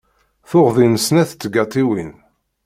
Tuɣ din snat tgaṭiwin.